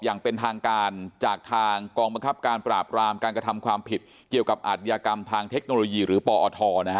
อย่างเป็นทางการจากทางกองบังคับการปราบรามการกระทำความผิดเกี่ยวกับอาทยากรรมทางเทคโนโลยีหรือปอทนะฮะ